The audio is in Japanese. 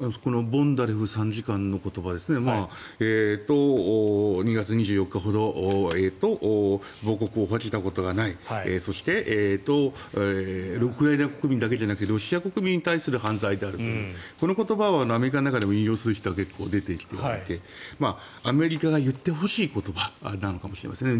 ボンダレフ参事官の言葉と２月２４日ほど母国を恥じたことがないそしてウクライナ国民だけじゃなくてロシア国民に対する犯罪であるというこの言葉はアメリカの中でも引用する人が結構出てきていてアメリカが言ってほしい言葉なのかもしれないですね。